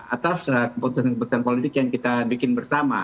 atas keputusan keputusan politik yang kita bikin bersama